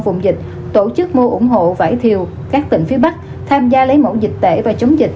vùng dịch tổ chức mua ủng hộ vải thiều các tỉnh phía bắc tham gia lấy mẫu dịch tễ và chống dịch